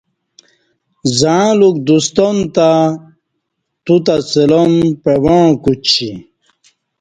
زعں لوک دوستان تہ توتہ سلام پعواݩع کوچی